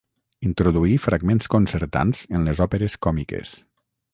Introduí fragments concertants en les òperes còmiques.